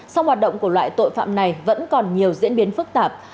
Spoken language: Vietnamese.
song hoạt động của loại tội phạm này vẫn còn nhiều diễn biến phức tạp